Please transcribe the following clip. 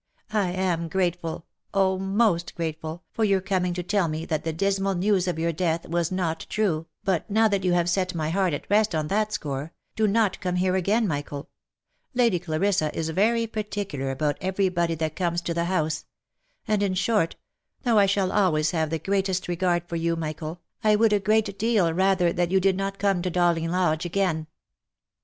I am grateful, oh ! most grateful, for your coming to tell me that the dismal news of your death was not true, but now that you have set my heart at rest on that score, do not come here again, Michael — Lady Clarissa is very particular about every body that comes to the house — and — in short — though I shall always have the greatest regard for you, Michael — I would a great deal rather that you did not come to Dowling Lodge again."